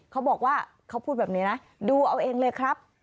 เขาบอกว่าเขาพูดแบบนี้นะดูเอาเองเลยครับ